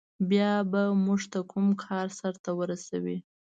یا به موږ ته کوم کار سرته ورسوي.